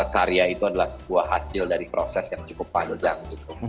karya itu adalah sebuah hasil dari proses yang cukup panjang